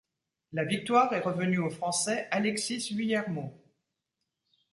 La victoire est revenue au Français Alexis Vuillermoz.